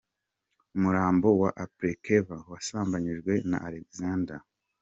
Umurambo wa Aplekaeva wasambanyijwe na Alexander.